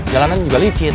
jalanan juga licit